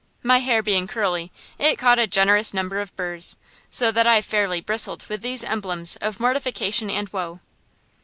My hair being curly, it caught a generous number of burrs, so that I fairly bristled with these emblems of mortification and woe.